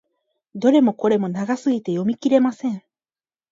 どれもこれも長すぎて読み切れません。